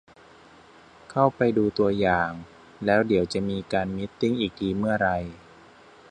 เข้าไปดูตัวอย่าง แล้วเดี๋ยวจะมีการมีตติ้งอีกทีเมื่อไร